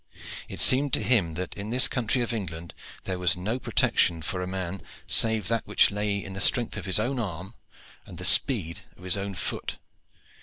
It seemed to him that in this country of England there was no protection for a man save that which lay in the strength of his own arm and the speed of his own foot.